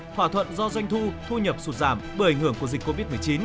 thỏa thuận do doanh thu thu nhập sụt giảm bởi ảnh hưởng của dịch covid một mươi chín